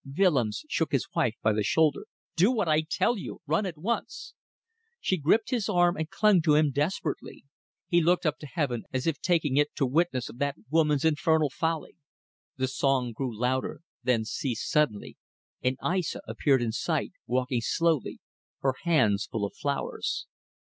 Willems shook his wife by the shoulder. "Do what I tell you! Run at once!" She gripped his arm and clung to him desperately. He looked up to heaven as if taking it to witness of that woman's infernal folly. The song grew louder, then ceased suddenly, and Aissa appeared in sight, walking slowly, her hands full of flowers.